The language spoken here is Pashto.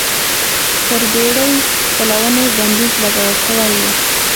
پر بېړۍ چلونې بندیز لګول شوی و.